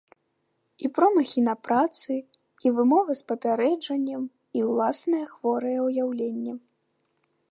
І промахі на працы, і вымова з папярэджаннем, і ўласнае хворае ўяўленне.